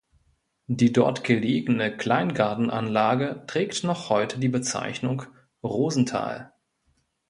Die dort gelegene Kleingartenanlage trägt noch heute die Bezeichnung "Rosenthal".